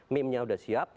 meme nya udah siap